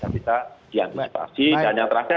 diantisipasi dan yang terakhir adalah